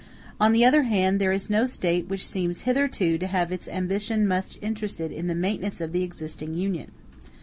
On the other hand, there is no State which seems hitherto to have its ambition much interested in the maintenance of the existing Union.